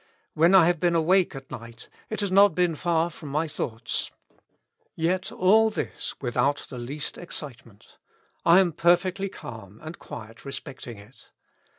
When I have been awake at night, it has not been far from my thoughts. Yet all this without the least excitement. I am perfectly calm and quiet respecting it.